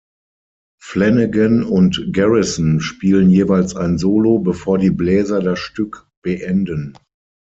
Flanagan und Garrison spielen jeweils ein Solo, bevor die Bläser das Stück beenden.